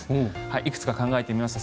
いくつか考えてみました。